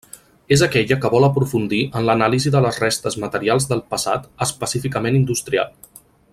És aquella que vol aprofundir en l'anàlisi de les restes materials del passat específicament industrial.